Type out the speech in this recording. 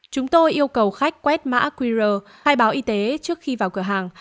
chúng tôi yêu cầu khách quét mã qr khai báo y tế trước khi vào cửa hàng